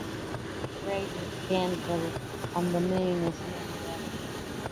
The crater Chandler on the Moon is named after him.